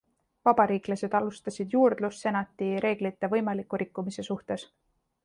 Vabariiklased alustasid juurdlust senati reeglite võimaliku rikkumise suhtes.